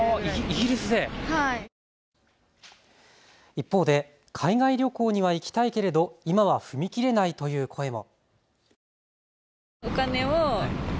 一方で海外旅行には行きたいけれど今は踏み切れないという声も。